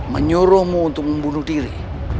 menyuruhmu untuk membunuh diri